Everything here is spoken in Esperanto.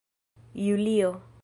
julio